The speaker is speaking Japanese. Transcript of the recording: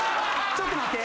ちょっと待って。